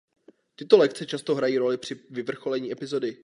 Tyto lekce často hrají roli při vyvrcholení epizody.